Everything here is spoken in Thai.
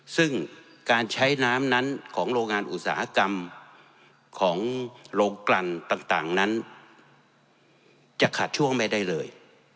ซึ่งการใช้น้ำนั้นของโรงงานอุตสาหกรรมของโรงกลั่นต่างนั้นจะขาดช่วงไม่ได้เลย